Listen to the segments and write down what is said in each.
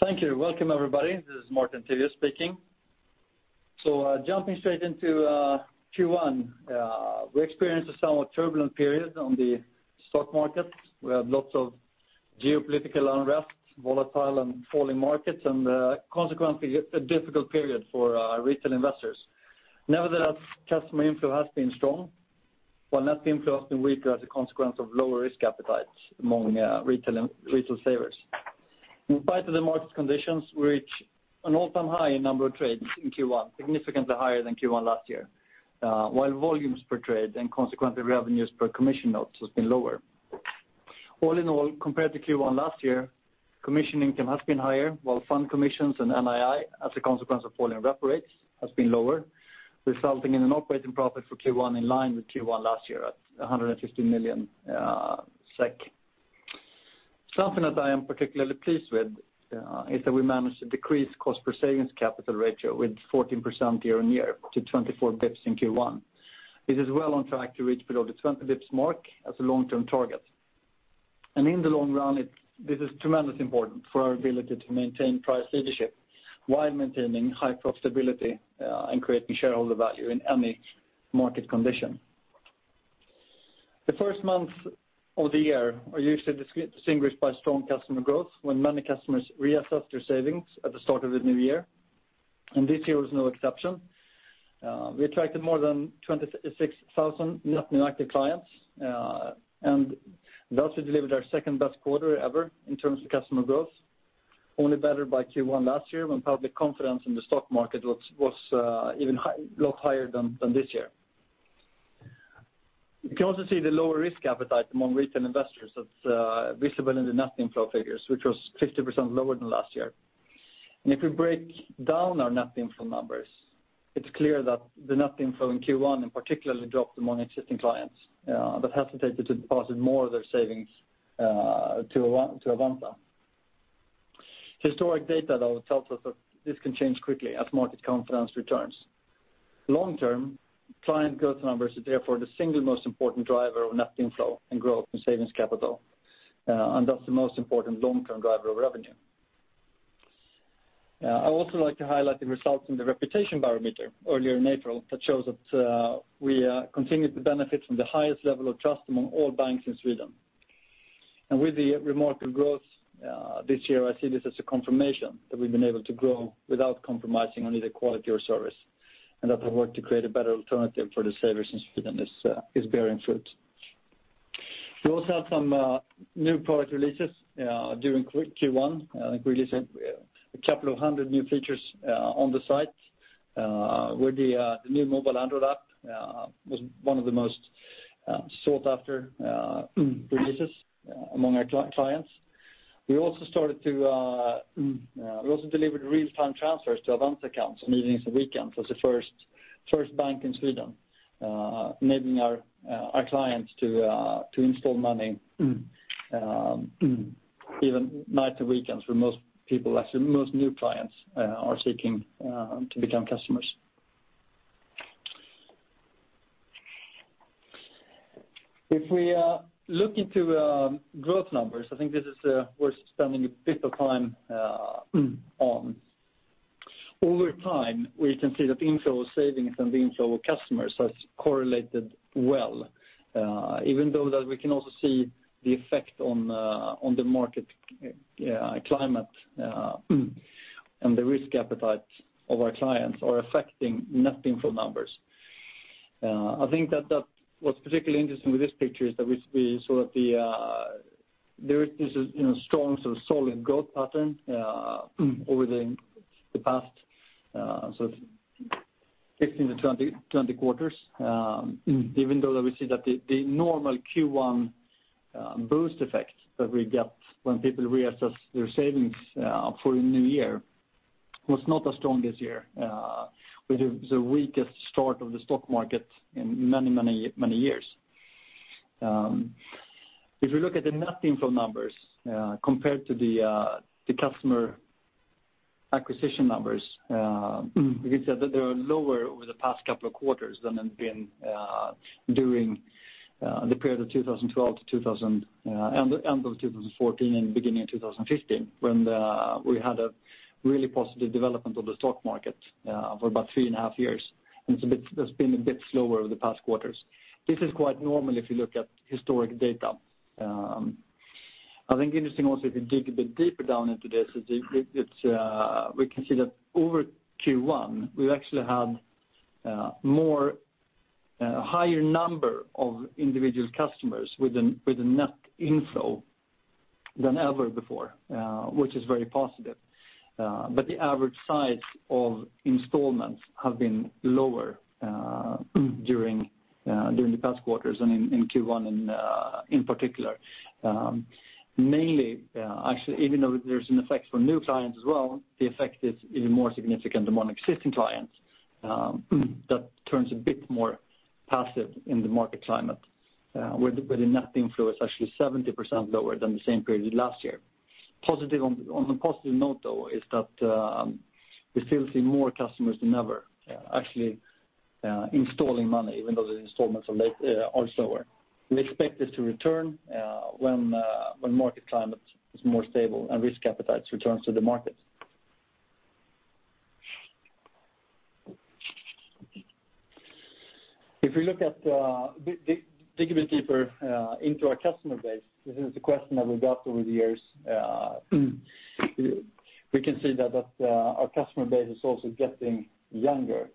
Thank you. Welcome, everybody. This is Martin Tivéus speaking. Jumping straight into Q1. We experienced a somewhat turbulent period on the stock market. We had lots of geopolitical unrest, volatile and falling markets, and consequently, a difficult period for our retail investors. Nevertheless, customer inflow has been strong, while net inflow has been weaker as a consequence of lower risk appetites among retail savers. In spite of the market conditions, we reached an all-time high in the number of trades in Q1, significantly higher than Q1 last year while volumes per trade and consequently revenues per commission note has been lower. All in all, compared to Q1 last year, commission income has been higher while fund commissions and NII as a consequence of falling repo rates has been lower, resulting in an operating profit for Q1 in line with Q1 last year at 150 million SEK. Something that I am particularly pleased with is that we managed to decrease cost per savings capital ratio with 14% year-on-year to 24 bps in Q1. This is well on track to reach below the 20 bps mark as a long-term target. In the long run, this is tremendously important for our ability to maintain price leadership while maintaining high profitability and creating shareholder value in any market condition. The first month of the year are usually distinguished by strong customer growth when many customers reassess their savings at the start of the new year. This year was no exception. We attracted more than 26,000 net new active clients. Thus we delivered our second-best quarter ever in terms of customer growth, only bettered by Q1 last year when public confidence in the stock market was a lot higher than this year. You can also see the lower risk appetite among retail investors that's visible in the net inflow figures, which was 50% lower than last year. If we break down our net inflow numbers, it's clear that the net inflow in Q1 in particular dropped among existing clients that hesitated to deposit more of their savings to Avanza. Historic data, though, tells us that this can change quickly as market confidence returns. Long-term, client growth numbers is therefore the single most important driver of net inflow and growth in savings capital. That's the most important long-term driver of revenue. I'd also like to highlight the results in the reputation barometer earlier in April that shows that we continued to benefit from the highest level of trust among all banks in Sweden. With the remarkable growth this year, I see this as a confirmation that we've been able to grow without compromising on either quality or service, and that our work to create a better alternative for the savers in Sweden is bearing fruit. We also had some new product releases during Q1. I think we released a couple of hundred new features on the site, where the new mobile Android app was one of the most sought-after releases among our clients. We also delivered real-time transfers to Avanza accounts on evenings and weekends as the first bank in Sweden enabling our clients to install money even nights and weekends where most new clients are seeking to become customers. If we look into growth numbers, I think this is worth spending a bit of time on. Over time, we can see that the inflow of savings and the inflow of customers has correlated well even though that we can also see the effect on the market climate and the risk appetite of our clients are affecting net inflow numbers. I think that what's particularly interesting with this picture is that we see there is a strong solid growth pattern over the past 15 to 20 quarters even though that we see that the normal Q1 boost effect that we get when people reassess their savings for a new year was not as strong this year with the weakest start of the stock market in many years. If you look at the net inflow numbers compared to the customer acquisition numbers we can see that they are lower over the past couple of quarters than they've been during the period of end of 2014 and beginning of 2015 when we had a really positive development of the stock market for about three and a half years. It's been a bit slower over the past quarters. This is quite normal if you look at historic data. I think interesting also if you dig a bit deeper down into this, we can see that over Q1 we've actually had more higher number of individual customers with a net inflow than ever before which is very positive. The average size of installments have been lower during the past quarters and in Q1 in particular. Mainly, actually even though there's an effect for new clients as well, the effect is even more significant among existing clients that turns a bit more passive in the market climate where the net inflow is actually 70% lower than the same period last year. On a positive note, though, is that we still see more customers than ever actually installing money, even though the installments are slower. We expect this to return when market climate is more stable and risk appetite returns to the market. Dig a bit deeper into our customer base, this is the question that we got over the years. We can see that our customer base is also getting younger.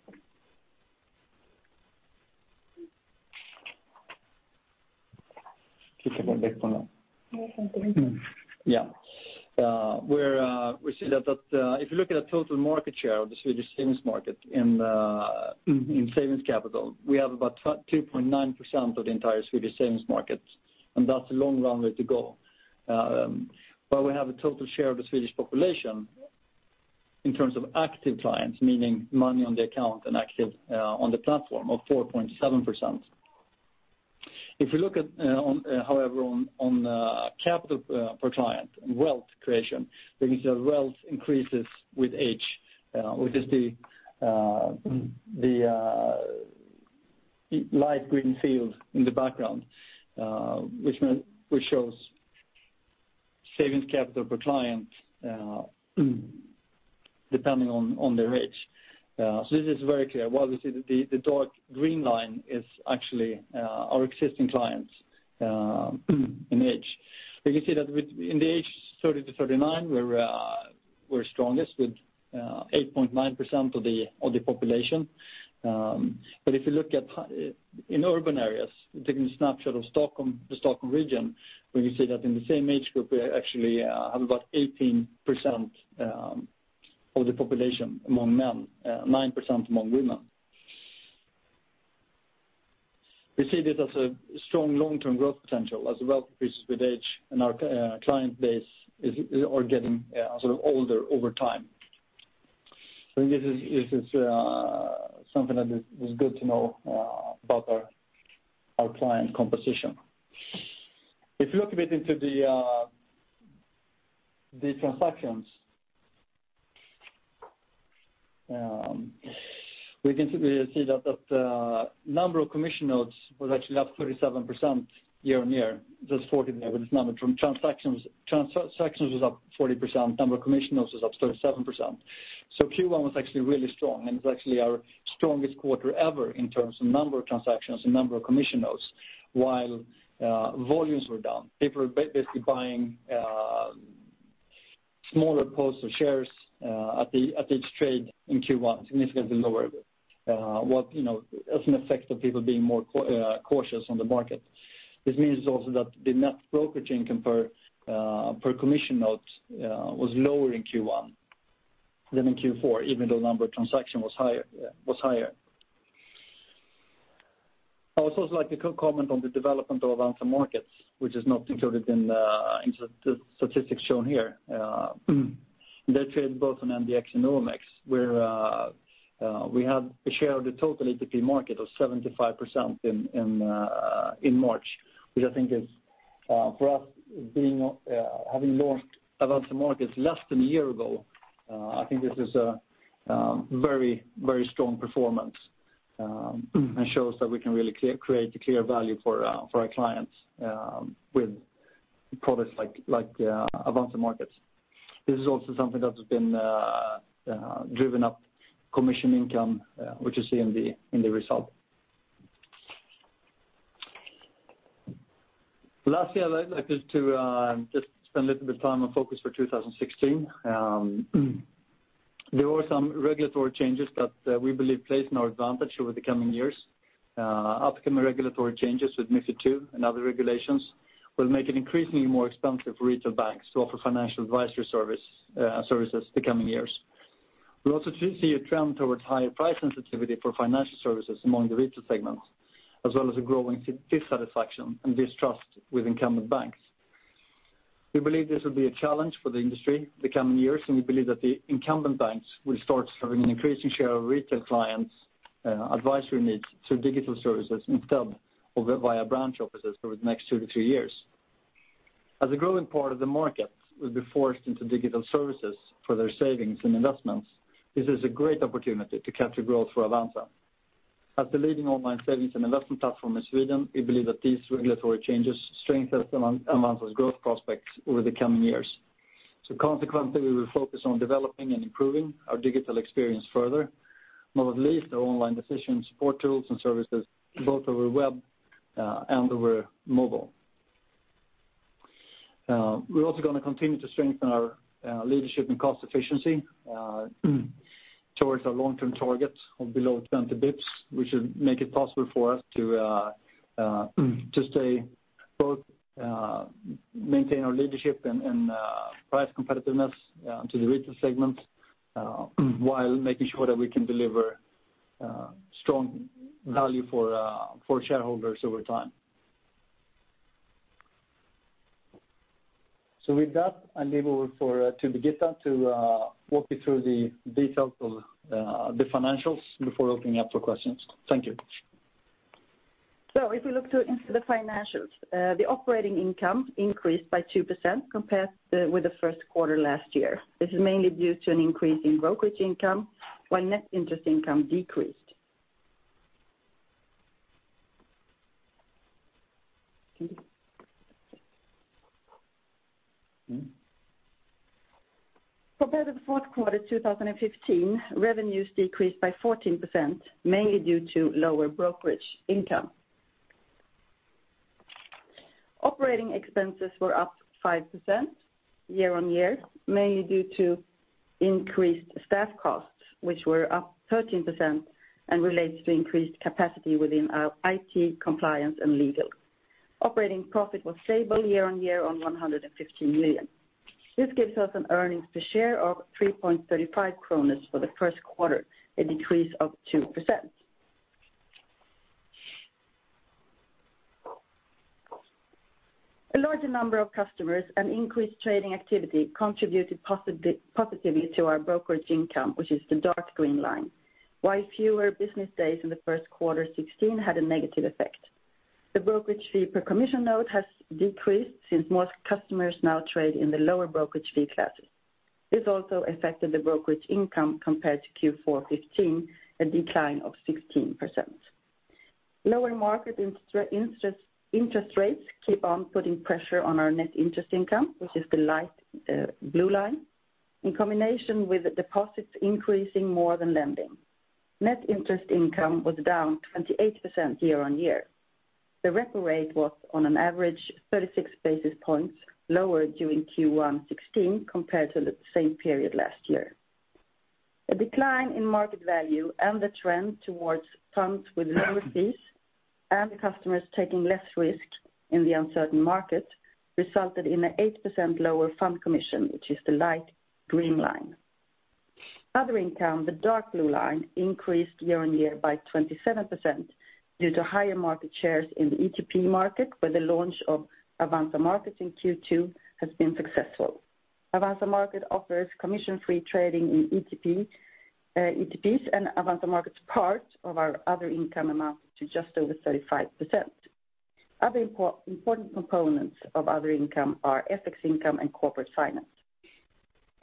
You can go back one now. Yes, thank you. We see that if you look at the total market share of the Swedish savings market in savings capital, we have about 2.9% of the entire Swedish savings market, and that's a long runway to go. But we have a total share of the Swedish population in terms of active clients, meaning money on the account and active on the platform, of 4.7%. If you look at, however, on capital per client and wealth creation, you can see that wealth increases with age, which is the light green field in the background which shows savings capital per client, depending on their age. So this is very clear. While you see the dark green line is actually our existing clients in age. But you see that in the age 30-39, we're strongest with 8.9% of the population. If you look at in urban areas, taking a snapshot of the Stockholm region, where you see that in the same age group, we actually have about 18% of the population among men, 9% among women. We see this as a strong long-term growth potential as wealth increases with age, and our client base are getting older over time. So this is something that is good to know about our client composition. If you look a bit into the transactions, we can see that the number of commission notes was actually up 37% year-over-year. There's 40 there, but it's number from transactions was up 40%, number of commission notes was up 37%. So Q1 was actually really strong and was actually our strongest quarter ever in terms of number of transactions and number of commission notes while volumes were down. People were basically buying smaller posts or shares at each trade in Q1, significantly lower. As an effect of people being more cautious on the market. This means also that the net brokerage income per commission note was lower in Q1 than in Q4, even though number of transaction was higher. I would also like to comment on the development of Avanza Markets, which is not included in the statistics shown here. They trade both on NDX and OMEX, where we have a share of the total ETP market of 75% in March, which I think is, for us having launched Avanza Markets less than one year ago I think this is a very strong performance and shows that we can really create a clear value for our clients with products like Avanza Markets. This is also something that has been driven up commission income which you see in the result. Lastly, I'd like us to just spend a little bit of time on focus for 2016. There were some regulatory changes that we believe plays in our advantage over the coming years. Upcoming regulatory changes with MiFID II and other regulations will make it increasingly more expensive for retail banks to offer financial advisory services the coming years. We also see a trend towards higher price sensitivity for financial services among the retail segments, as well as a growing dissatisfaction and distrust with incumbent banks. We believe this will be a challenge for the industry the coming years, and we believe that the incumbent banks will start serving an increasing share of retail clients' advisory needs through digital services instead of via branch offices over the next 2-3 years. As a growing part of the market will be forced into digital services for their savings and investments, this is a great opportunity to capture growth for Avanza. As the leading online savings and investment platform in Sweden, we believe that these regulatory changes strengthen Avanza's growth prospects over the coming years. Consequently, we will focus on developing and improving our digital experience further, not least our online decision support tools and services, both over web and over mobile. We are also going to continue to strengthen our leadership and cost efficiency towards our long-term target of below 20 basis points, which will make it possible for us to both maintain our leadership and price competitiveness to the retail segment while making sure that we can deliver strong value for shareholders over time. With that, I leave over to Birgitta to walk you through the details of the financials before opening up for questions. Thank you. If we look into the financials, the operating income increased by 2% compared with the first quarter last year. This is mainly due to an increase in brokerage income, while net interest income decreased. Compared to the fourth quarter 2015, revenues decreased by 14%, mainly due to lower brokerage income. Operating expenses were up 5% year-on-year, mainly due to increased staff costs, which were up 13% and relates to increased capacity within our IT compliance and legal. Operating profit was stable year-on-year on 115 million. This gives us an earnings per share of 3.35 kronor for the first quarter, a decrease of 2%. A larger number of customers and increased trading activity contributed positively to our brokerage income, which is the dark green line, while fewer business days in the first quarter 2016 had a negative effect. The brokerage fee per commission note has decreased since most customers now trade in the lower brokerage fee classes. This also affected the brokerage income compared to Q4 2015, a decline of 16%. Lower market interest rates keep on putting pressure on our net interest income, which is the light blue line, in combination with deposits increasing more than lending. Net interest income was down 28% year-on-year. The repo rate was on an average 36 basis points lower during Q1 2016 compared to the same period last year. A decline in market value and the trend towards funds with lower fees and customers taking less risk in the uncertain market resulted in an 8% lower fund commission, which is the light green line. Other income, the dark blue line, increased year-on-year by 27% due to higher market shares in the ETP market, where the launch of Avanza Markets in Q2 has been successful. Avanza Markets offers commission-free trading in ETPs. Avanza Markets' part of our other income amounted to just over 35%. Other important components of other income are FX income and corporate finance.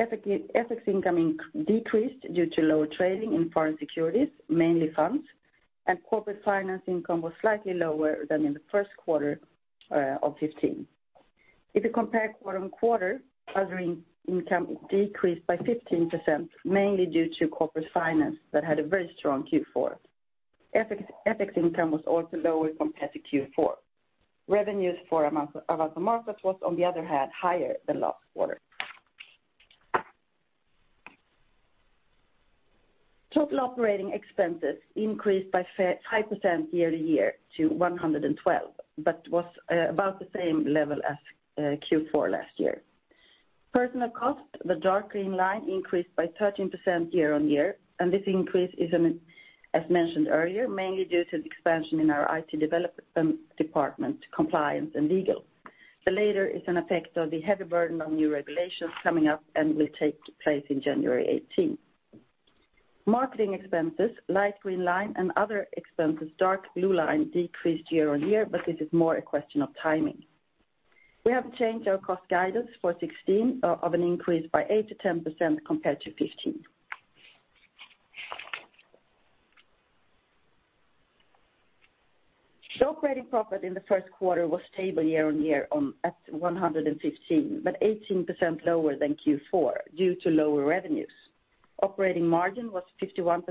FX income decreased due to lower trading in foreign securities, mainly funds. Corporate finance income was slightly lower than in the first quarter of 2015. If you compare quarter-on-quarter, other income decreased by 15%, mainly due to corporate finance that had a very strong Q4. FX income was also lower compared to Q4. Revenues for Avanza Markets was on the other hand higher than last quarter. Total operating expenses increased by 5% year-on-year to 112, but was about the same level as Q4 last year. Personnel costs, the dark green line, increased by 13% year-on-year. This increase is, as mentioned earlier, mainly due to the expansion in our IT development department, compliance, and legal. The latter is an effect of the heavy burden on new regulations coming up and will take place in January 2018. Marketing expenses, light green line. Other expenses, dark blue line, decreased year-on-year. This is more a question of timing. We have changed our cost guidance for 2016 of an increase by 8%-10% compared to 2015. The operating profit in the first quarter was stable year-on-year at 115. 18% lower than Q4 due to lower revenues. Operating margin was 51%,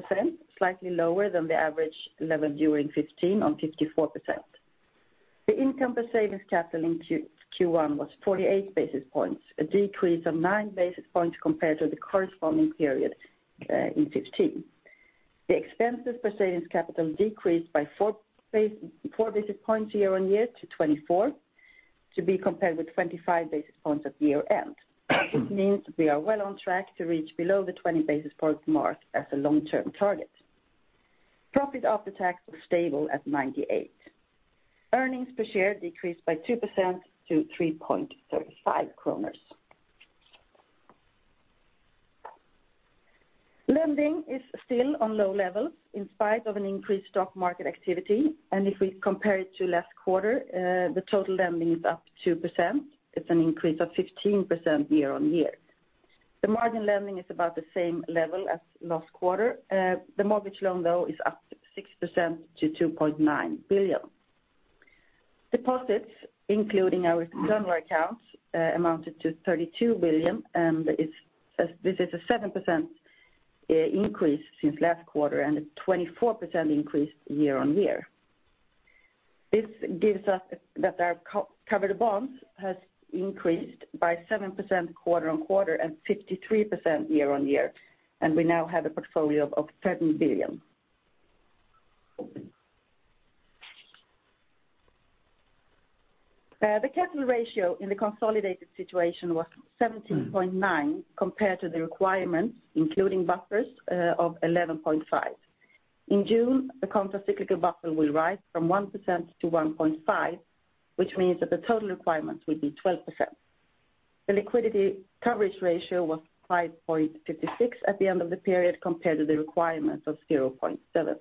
slightly lower than the average level during 2015 on 54%. The income per savings capital in Q1 was 48 basis points, a decrease of nine basis points compared to the corresponding period in 2015. The expenses per savings capital decreased by four basis points year-on-year to 24 basis points to be compared with 25 basis points at year end. This means we are well on track to reach below the 20 basis point mark as a long-term target. Profit after tax was stable at 98. Earnings per share decreased by 2% to 3.35 kronor. Lending is still on low levels in spite of an increased stock market activity. If we compare it to last quarter, the total lending is up 2%. It's an increase of 15% year-on-year. The margin lending is about the same level as last quarter. The mortgage loan though is up 6% to 2.9 billion. Deposits including our consumer accounts amounted to 32 billion. This is a 7% increase since last quarter and a 24% increase year-on-year. This gives us that our covered bonds has increased by 7% quarter-on-quarter. 53% year-on-year. We now have a portfolio of 13 billion. The capital ratio in the consolidated situation was 17.9% compared to the requirements including buffers of 11.5%. In June, the countercyclical buffer will rise from 1% to 1.5%, which means that the total requirements will be 12%. The liquidity coverage ratio was 5.56x at the end of the period compared to the requirements of 0.7x.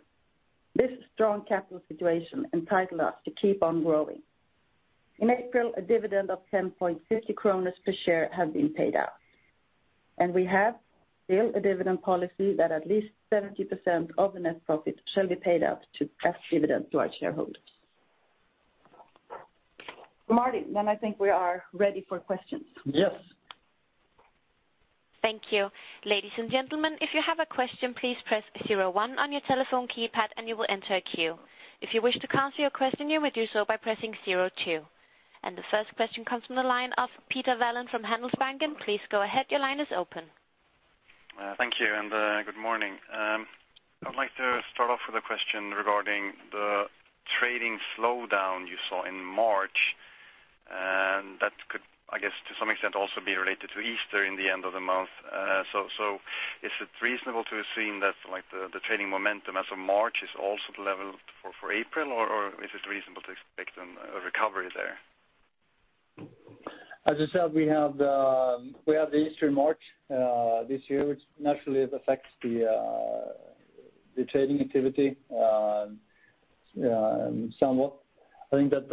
This strong capital situation entitle us to keep on growing. In April, a dividend of 10.50 kronor per share has been paid out. We have still a dividend policy that at least 70% of the net profit shall be paid out as dividend to our shareholders. Martin, I think we are ready for questions. Yes. Thank you. Ladies and gentlemen, if you have a question, please press 01 on your telephone keypad and you will enter a queue. If you wish to cancel your question, you may do so by pressing 02. The first question comes from the line of Peter Wallin from Handelsbanken. Please go ahead. Your line is open. Thank you, good morning. I would like to start off with a question regarding the trading slowdown you saw in March, and that could, I guess to some extent, also be related to Easter in the end of the month. Is it reasonable to assume that the trading momentum as of March is also the level for April, or is it reasonable to expect a recovery there? As I said, we had Easter in March this year, which naturally affects the trading activity somewhat. I think that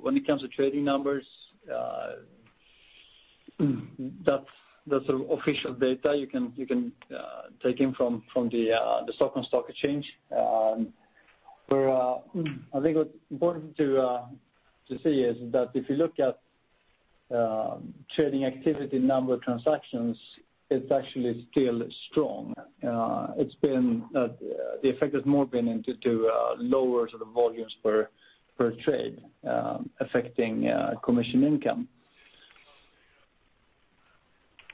when it comes to trading numbers, that's official data you can take in from the Stockholm Stock Exchange. I think what's important to see is that if you look at trading activity, number of transactions, it's actually still strong. The effect has more been into lower volumes per trade, affecting commission income.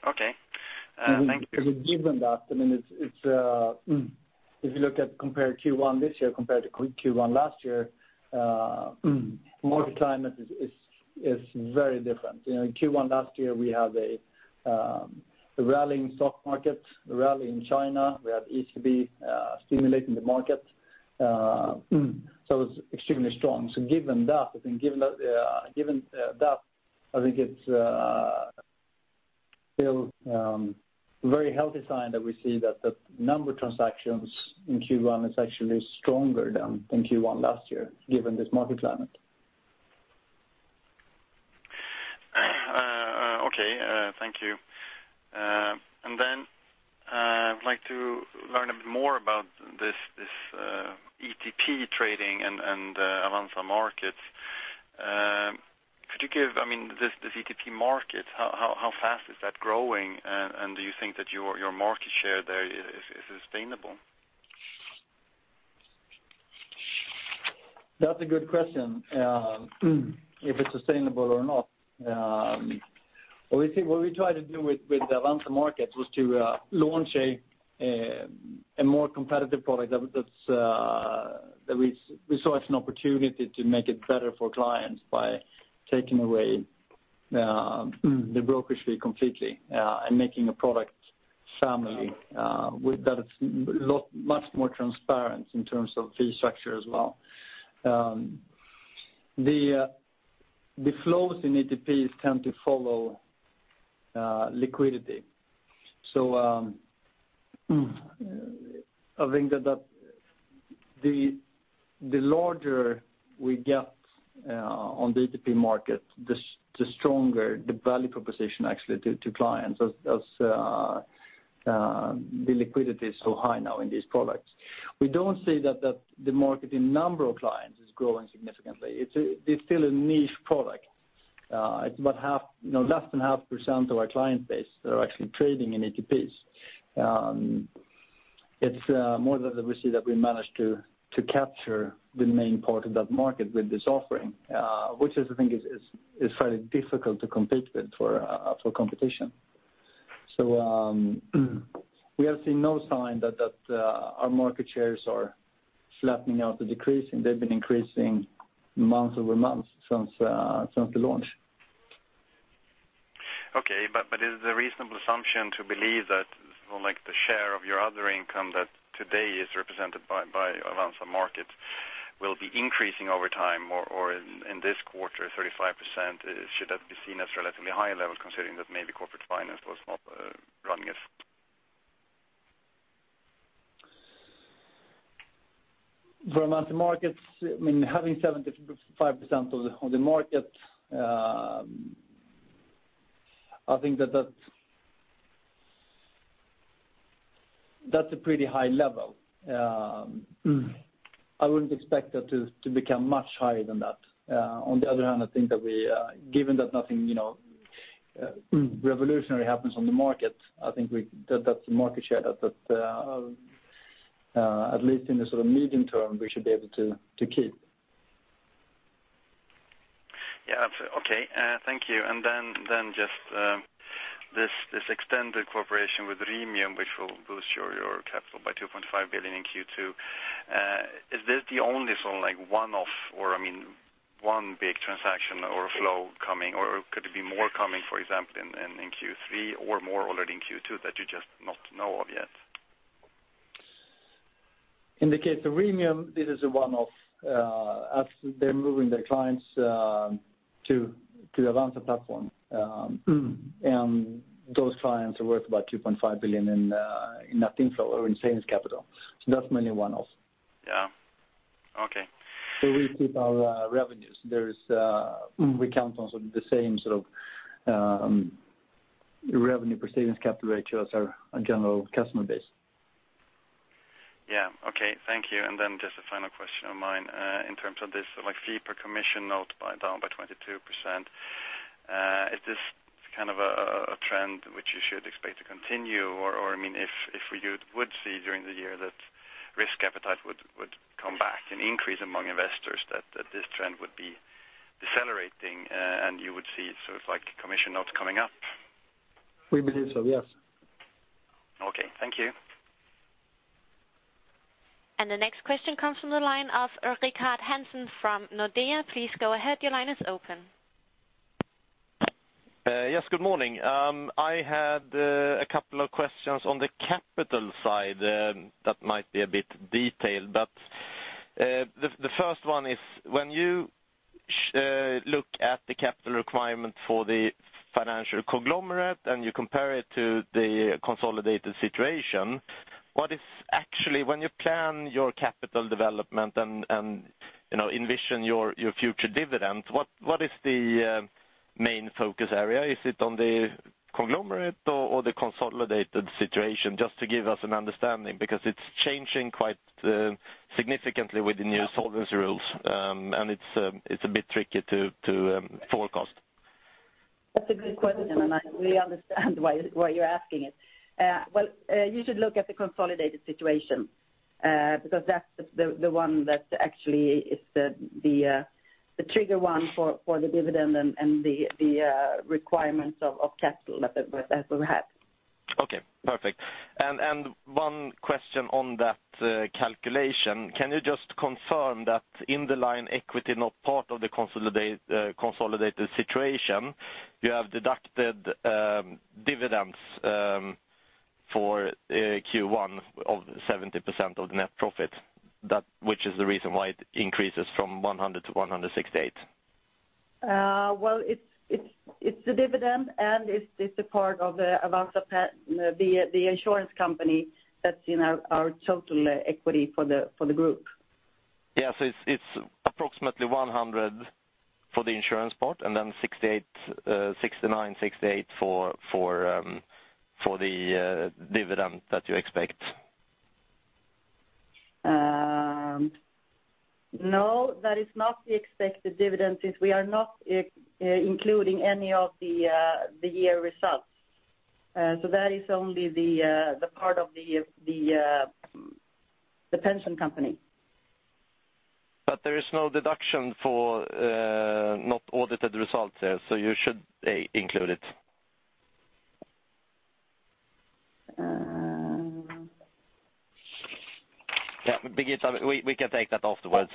Okay. Thank you. Given that, if you compare Q1 this year compared to Q1 last year, market climate is very different. In Q1 last year, we had a rally in stock market, a rally in China. We had ECB stimulating the market. It was extremely strong. Given that, I think it's still a very healthy sign that we see that the number of transactions in Q1 is actually stronger than in Q1 last year, given this market climate. Okay. Thank you. I would like to learn a bit more about this ETP trading and Avanza Markets. This ETP market, how fast is that growing, and do you think that your market share there is sustainable? That's a good question, if it's sustainable or not. What we tried to do with the Avanza Markets was to launch a more competitive product that we saw as an opportunity to make it better for clients by taking away the brokerage fee completely, and making a product family that is much more transparent in terms of fee structure as well. The flows in ETPs tend to follow liquidity. I think that the larger we get on the ETP market, the stronger the value proposition actually to clients, as the liquidity is so high now in these products. We don't see that the market in number of clients is growing significantly. It's still a niche product. It's less than 0.5% of our client base that are actually trading in ETPs. It's more that we see that we managed to capture the main part of that market with this offering, which I think is fairly difficult to compete with for competition. We have seen no sign that our market shares are flattening out or decreasing. They've been increasing month-over-month since the launch. Is it a reasonable assumption to believe that the share of your other income that today is represented by Avanza Markets will be increasing over time, or in this quarter, 35%, should that be seen as a relatively high level considering that maybe corporate finance was not running it? For Avanza Markets, having 75% of the market, I think that's a pretty high level. I wouldn't expect that to become much higher than that. On the other hand, I think that given that nothing revolutionary happens on the market, I think that that's a market share that at least in the medium term we should be able to keep. Yeah. Okay. Thank you. Just this extended cooperation with Remium, which will boost your capital by 2.5 billion in Q2. Is this the only one-off, or one big transaction or flow coming, or could there be more coming, for example, in Q3 or more already in Q2 that you just not know of yet? Indicates the Remium. This is a one-off. They're moving their clients to the Avanza platform. Those clients are worth about 2.5 billion in net inflow or in savings capital. That's mainly a one-off. Yeah. Okay. We keep our revenues. We count on the same sort of revenue per savings capital ratio as our general customer base. Yeah. Okay. Thank you. Just a final question of mine. In terms of this fee per commission note down by 22%, is this a trend which you should expect to continue? Or if we would see during the year that risk appetite would come back and increase among investors, that this trend would be decelerating, and you would see commission notes coming up? We believe so, yes. Okay. Thank you. The next question comes from the line of Rickard Hansson from Nordea. Please go ahead. Your line is open. Yes, good morning. I had a couple of questions on the capital side that might be a bit detailed. The first one is, when you look at the capital requirement for the financial conglomerate and you compare it to the consolidated situation, when you plan your capital development and envision your future dividend, what is the main focus area? Is it on the conglomerate or the consolidated situation? Just to give us an understanding, because it's changing quite significantly with the new solvency rules, and it's a bit tricky to forecast. That's a good question. I understand why you're asking it. You should look at the consolidated situation because that's the one that actually is the trigger one for the dividend and the requirements of capital that we have. Okay, perfect. One question on that calculation. Can you just confirm that in the line equity, not part of the consolidated situation, you have deducted dividends for Q1 of 70% of the net profit, which is the reason why it increases from 100 to 168? Well, it's the dividend. It's a part of the insurance company that's in our total equity for the group. Yeah. It's approximately 100 for the insurance part and then 69, 68 for the dividend that you expect. That is not the expected dividend since we are not including any of the year results. That is only the part of the pension company. There is no deduction for not audited results there, so you should include it. Birgitta, we can take that afterwards.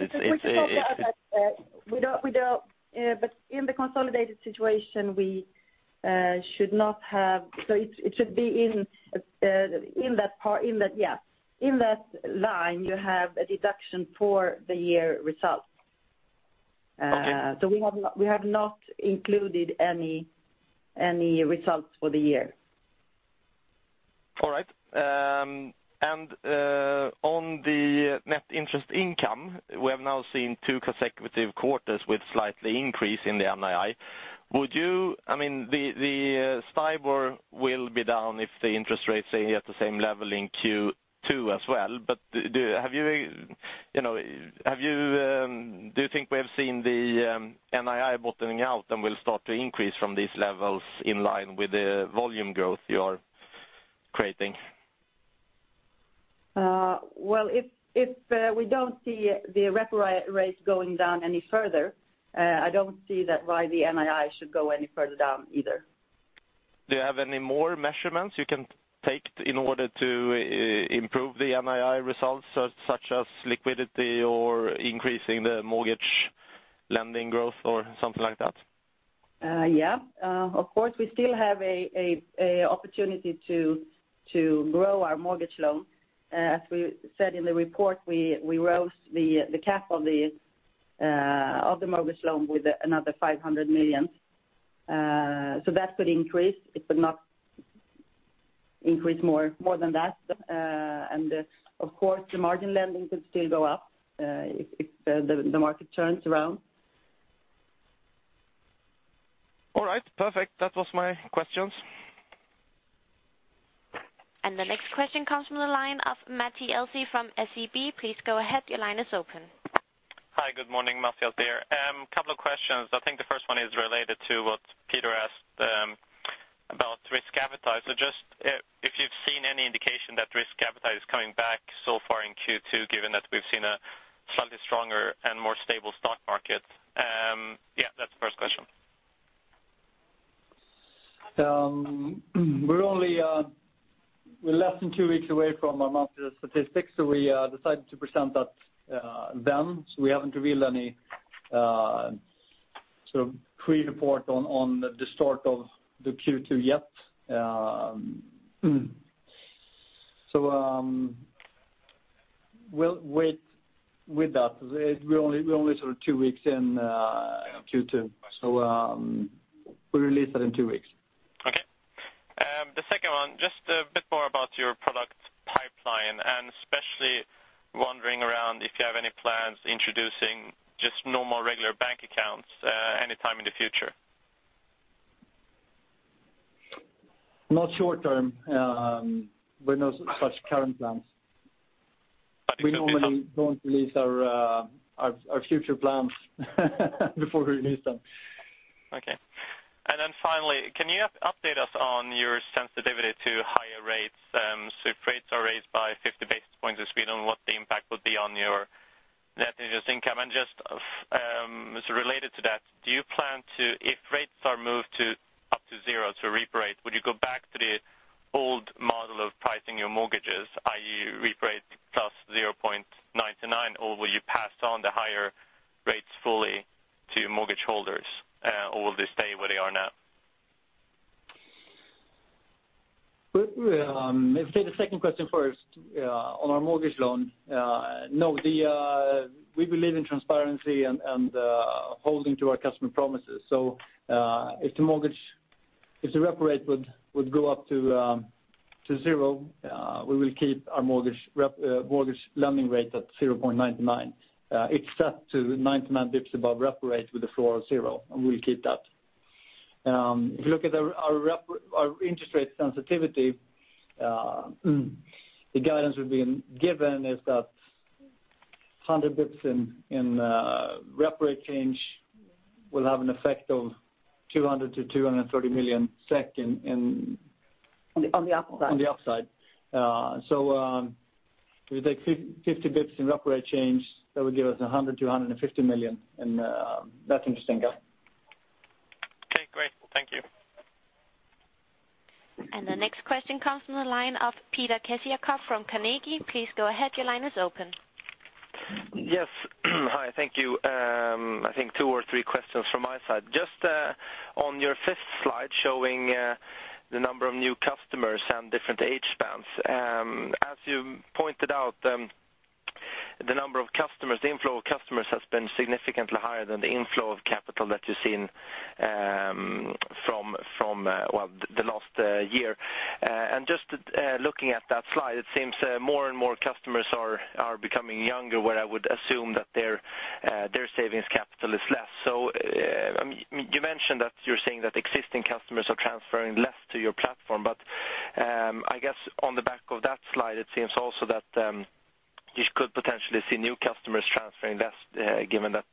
In the consolidated situation we should not have. It should be in that part. In that line, you have a deduction for the year results. Okay. We have not included any results for the year. All right. On the net interest income, we have now seen two consecutive quarters with slight increase in the NII. The STIBOR will be down if the interest rates stay at the same level in Q2 as well. Do you think we have seen the NII bottoming out and will start to increase from these levels in line with the volume growth you are creating? Well, if we don't see the repo rates going down any further, I don't see why the NII should go any further down either. Do you have any more measurements you can take in order to improve the NII results, such as liquidity or increasing the mortgage lending growth or something like that? Yeah. Of course, we still have an opportunity to grow our mortgage loan. As we said in the report, we rose the cap of the mortgage loan with another 500 million. That could increase. It could not increase more than that. Of course, the margin lending could still go up if the market turns around. All right. Perfect. That was my questions. The next question comes from the line of [Matty Elsey] from SEB. Please go ahead. Your line is open. Hi, good morning. [Mattias] here. Couple of questions. I think the first one is related to what Peter asked about risk appetite. Just if you've seen any indication that risk appetite is coming back so far in Q2, given that we've seen a slightly stronger and more stable stock market. Yeah, that's the first question. We're less than two weeks away from our monthly statistics, so we decided to present that then. We haven't revealed any pre-report on the start of the Q2 yet. We'll wait with that. We're only two weeks in Q2. We'll release that in two weeks. Okay. The second one, just a bit more about your product pipeline, especially wondering around if you have any plans introducing just normal, regular bank accounts anytime in the future. Not short term. No such current plans. We normally don't release our future plans before we release them. Okay. Finally, can you update us on your sensitivity to higher rates? If rates are raised by 50 basis points in Sweden, what the impact would be on your net interest income? Just as related to that, if rates are moved up to zero to REPO rate, would you go back to the old model of pricing your mortgages, i.e., REPO rate plus 0.99, or will you pass on the higher rates fully to mortgage holders? Will they stay where they are now? Let's take the second question first. On our mortgage loan, we believe in transparency and holding to our customer promises. If the REPO rate would go up to zero, we will keep our mortgage lending rate at 0.99. It's set to 99 basis points above REPO rate with a floor of zero, and we'll keep that. If you look at our interest rate sensitivity, the guidance we've been given is that 100 basis points in REPO rate change will have an effect of 200 million-230 million SEK. On the upside. On the upside. If you take 50 basis points in repo rate change, that would give us 100 million-150 million in net interest income. Okay, great. Thank you. The next question comes from the line of Peter Kessiakoff from Carnegie. Please go ahead, your line is open. Yes. Hi, thank you. I think two or three questions from my side. Just on your fifth slide showing the number of new customers and different age spans. As you pointed out, the inflow of customers has been significantly higher than the inflow of capital that you've seen from the last year. Just looking at that slide, it seems more and more customers are becoming younger, where I would assume that their savings capital is less. You mentioned that you're seeing that existing customers are transferring less to your platform, but I guess on the back of that slide, it seems also that you could potentially see new customers transferring less, given that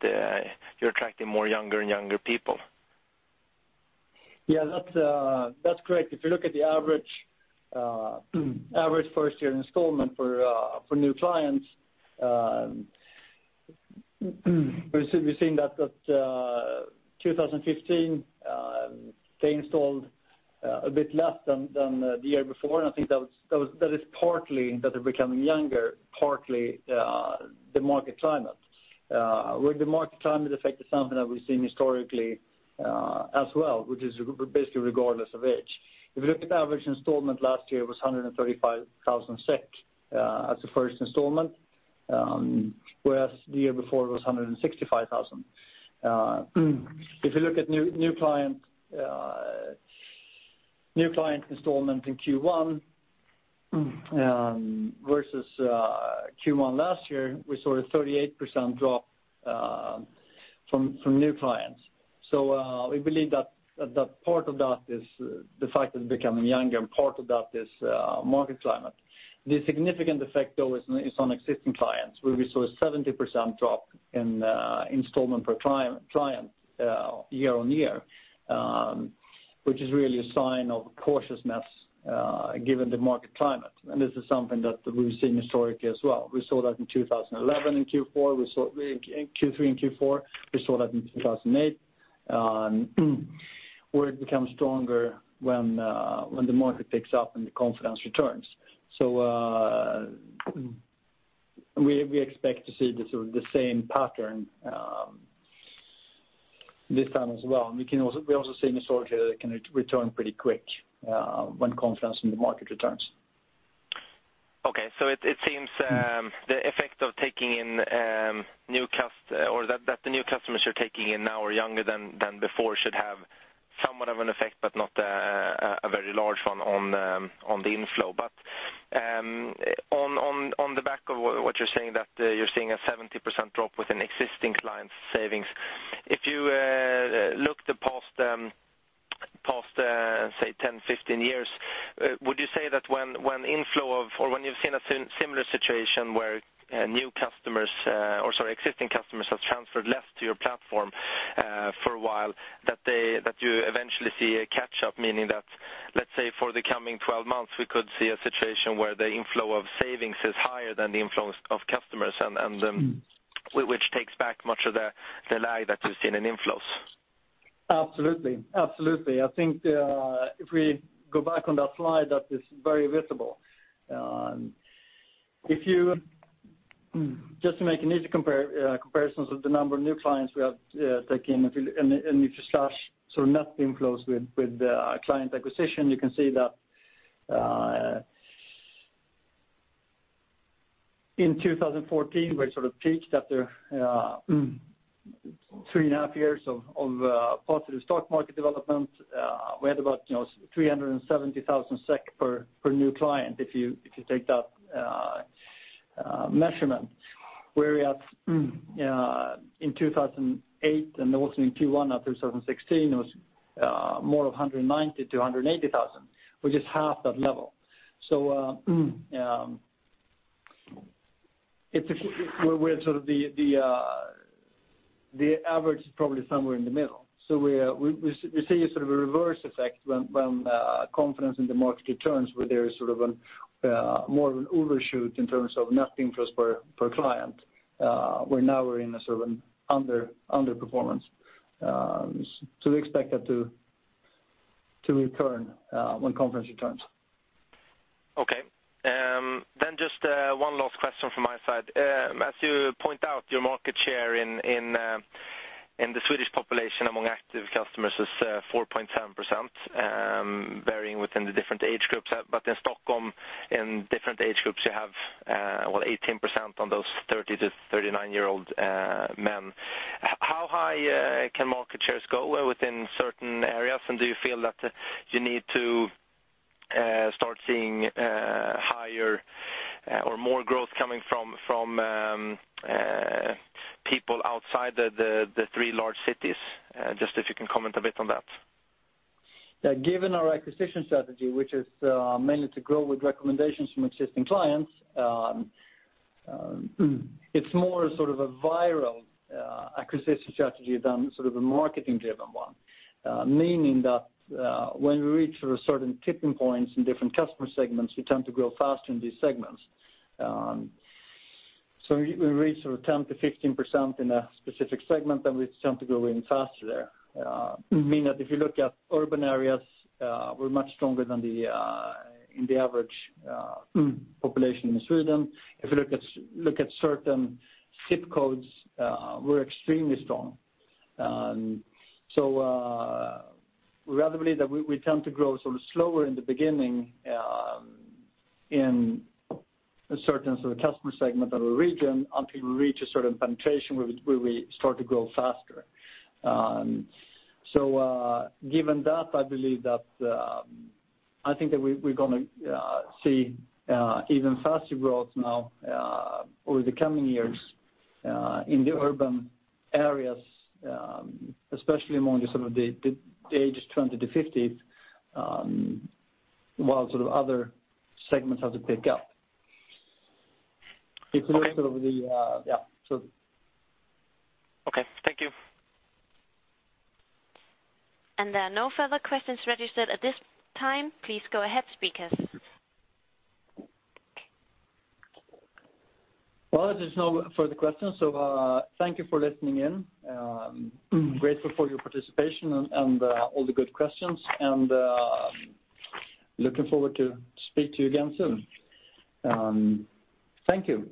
you're attracting more younger and younger people. Yeah, that's correct. If you look at the average first-year installment for new clients, we've seen that 2015, they installed a bit less than the year before. I think that is partly that they're becoming younger, partly the market climate. The market climate effect is something that we've seen historically as well, which is basically regardless of age. If you look at the average installment last year, it was 135,000 SEK as the first installment, whereas the year before it was 165,000 SEK. If you look at new client installment in Q1 versus Q1 last year, we saw a 38% drop from new clients. We believe that part of that is the fact that they're becoming younger and part of that is market climate. The significant effect, though, is on existing clients, where we saw a 70% drop in installment per client year-over-year, which is really a sign of cautiousness given the market climate. This is something that we've seen historically as well. We saw that in 2011 in Q3 and Q4. We saw that in 2008, where it becomes stronger when the market picks up and the confidence returns. We expect to see the same pattern this time as well. We also see historically that it can return pretty quick when confidence in the market returns. It seems the effect of that the new customers you're taking in now are younger than before should have somewhat of an effect, but not a very large one on the inflow. On the back of what you're saying, that you're seeing a 70% drop within existing clients' savings. If you look the past, say 10, 15 years, would you say that when you've seen a similar situation where existing customers have transferred less to your platform for a while, that you eventually see a catch-up, meaning that, let's say for the coming 12 months, we could see a situation where the inflow of savings is higher than the inflows of customers, and which takes back much of the lag that you've seen in inflows? Absolutely. I think if we go back on that slide, that is very visible. Just to make an easy comparison of the number of new clients we have taken, and if you slash net inflows with the client acquisition, you can see that in 2014, we sort of peaked after three and a half years of positive stock market development. We had about 370,000 SEK per new client, if you take that measurement. Where we are at in 2008 and also in Q1 2016, it was more of 190,000 to 180,000, which is half that level. The average is probably somewhere in the middle. We see a sort of reverse effect when confidence in the market returns where there is more of an overshoot in terms of net inflows per client, where now we're in a sort of underperformance. We expect that to return when confidence returns. Okay. Just one last question from my side. As you point out, your market share in the Swedish population among active customers is 4.7%, varying within the different age groups. In Stockholm, in different age groups, you have 18% on those 30- to 39-year-old men. How high can market shares go within certain areas? Do you feel that you need to start seeing higher or more growth coming from people outside the three large cities? Just if you can comment a bit on that. Given our acquisition strategy, which is mainly to grow with recommendations from existing clients, it's more a sort of viral acquisition strategy than a marketing-driven one. Meaning that when we reach certain tipping points in different customer segments, we tend to grow faster in these segments. We reach 10%-15% in a specific segment, and we tend to grow even faster there. Meaning that if you look at urban areas, we're much stronger than in the average population in Sweden. If you look at certain zip codes, we're extremely strong. We tend to grow slower in the beginning in a certain customer segment or a region until we reach a certain penetration where we start to grow faster. Given that, I think that we're going to see even faster growth now over the coming years in the urban areas, especially among the ages 20-50, while other segments have to pick up. Okay. Thank you. There are no further questions registered at this time. Please go ahead, speakers. There's no further questions. Thank you for listening in. Grateful for your participation and all the good questions. Looking forward to speak to you again soon. Thank you.